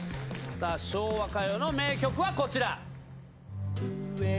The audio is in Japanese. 昭和歌謡の名曲はこちら。